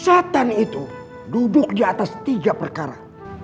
catatan itu duduk di atas tiga perkara